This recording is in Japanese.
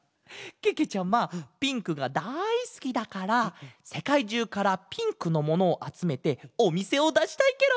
けけちゃまピンクがだいすきだからせかいじゅうからピンクのものをあつめておみせをだしたいケロ！